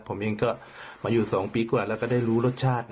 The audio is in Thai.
ผมก็อยู่สองปีกว่าแล้วผมก็รู้รสชาติ